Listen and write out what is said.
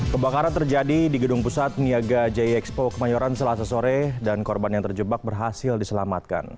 kebakaran terjadi di gedung pusat niaga jie expo kemayoran selasa sore dan korban yang terjebak berhasil diselamatkan